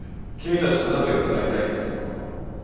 君たちと仲良くなりたいんですよ。